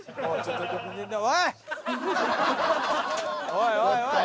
おいおいおい。